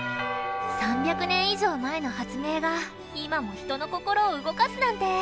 ３００年以上前の発明が今も人の心を動かすなんて